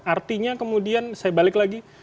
artinya kemudian saya balik lagi